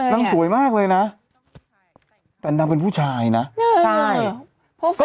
นางหนุ่มตอนเป็นชายหนุ่มนะนางก็หล่อนะ